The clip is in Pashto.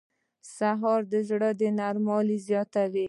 سهار د زړه نرموالی زیاتوي.